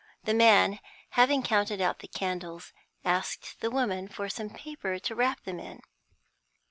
The man, having counted out the candles, asked the woman for some paper to wrap them in.